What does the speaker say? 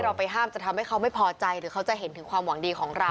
ไปห้ามจะทำให้เขาไม่พอใจหรือเขาจะเห็นถึงความหวังดีของเรา